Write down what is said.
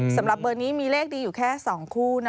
สำหรับเบอร์นี้มีเลขดีอยู่แค่๒คู่นะ